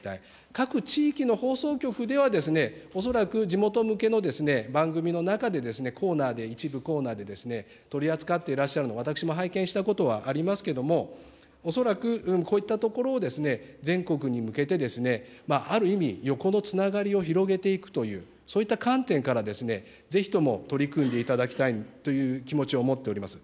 各地域の放送局では、恐らく地元向けの番組の中で、コーナーで、一部コーナーで取り扱っていらっしゃるのを私も拝見したことはありますけれども、恐らくこういったところを全国に向けて、ある意味、横のつながりを広げていくという、そういった観点から、ぜひとも取り組んでいただきたいという気持ちを持っております。